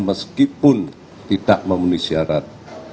meskipun tidak memenuhi syarat